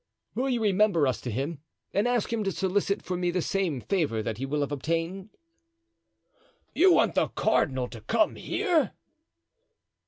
"Will you remember us to him and ask him to solicit for me the same favor that he will have obtained?" "You want the cardinal to come here?"